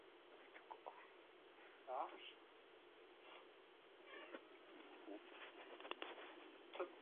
At such social mixers, she began to experiment with alcohol and drugs.